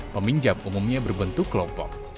peminjam umumnya berbentuk kelompok